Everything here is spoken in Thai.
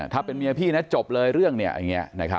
ถ้าเป็นเมียพี่นะจบเลยเรื่องเนี่ยอย่างนี้